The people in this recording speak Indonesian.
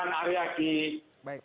yang saya pertanyakan ke prof hasbullah